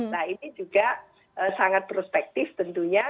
nah ini juga sangat prospektif tentunya